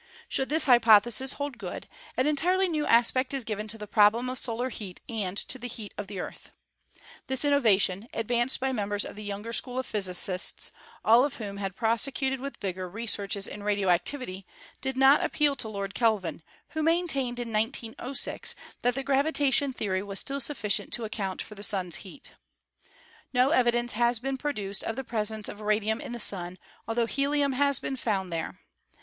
Should this hypothesis hold good, an en tirely new aspect is given to the problem of solar heat and to the heat of the Earth. This innovation, advanced by members of the younger school of physicists, all of whom had prosecuted with vigor researches in radioactiv ity, did not appeal to Lord Kelvin, who maintained in 1906 that the gravitation theory was still sufficient to account for the Sun's heat. No evidence has been pro duced of the presence of radium in the Sun, altho helium has been found there.